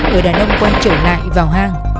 người đàn ông quay trở lại vào hang